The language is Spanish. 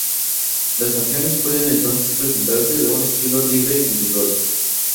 Las naciones pueden entonces presentarse en un estilo libre individual.